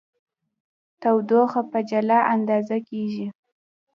تودوخه په جولا اندازه کېږي.